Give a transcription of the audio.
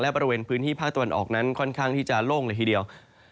บริเวณพื้นที่ภาคตะวันออกนั้นค่อนข้างที่จะโล่งเลยทีเดียว